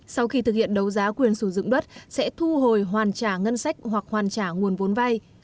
sau khi thực hiện đấu giá quyền sử dụng đất sẽ thu hồi hoàn trả ngân sách hoặc hoàn trả nguồn vốn vay